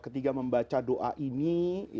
ketika membaca doa ini